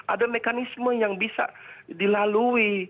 ada mekanisme yang bisa dilalui